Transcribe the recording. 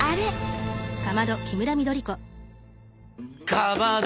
かまど！